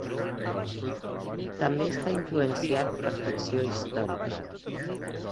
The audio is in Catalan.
També està influenciat per ficció històrica.